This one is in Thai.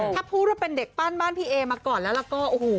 ถ้าพูดว่าเป็นเด็กปั้นบ้านพี่เอมาก่อนแล้วแล้วก็โอ้โห